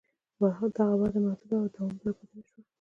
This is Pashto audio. دغه وده محدوده وه او دوامداره پاتې نه شوه.